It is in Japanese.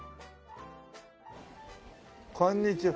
こんにちは。